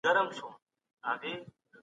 د دې تاریخ هر فصل